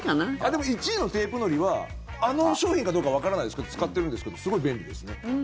でも１位のテープのりはあの商品かどうかわからないですけど使ってるんですけどすごい便利ですね。